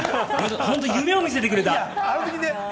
夢を見せてくれた。